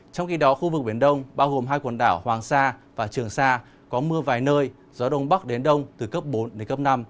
trong khi đó khu vực biển đông bao gồm hai quần đảo hoàng sa và trường sa có mưa vài nơi gió đông bắc đến đông từ cấp bốn đến cấp năm